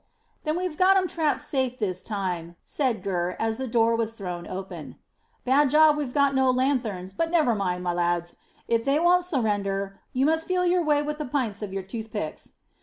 "Then we've got 'em trapped safe this time," said Gurr, as the door was thrown open. "Bad job we've no lanthorns; but never mind, my lads. If they won't surrender, you must feel your way with the pyntes of your toothpicks."